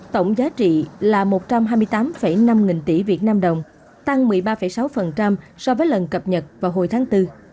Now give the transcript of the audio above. tổng giá trị là một trăm hai mươi tám năm nghìn tỷ việt nam đồng tăng một mươi ba sáu so với lần cập nhật vào hồi tháng bốn